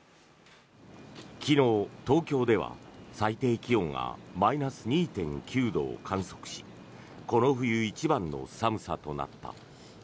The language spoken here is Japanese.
昨日、東京では最低気温がマイナス２．９度を観測しこの冬一番の寒さとなった。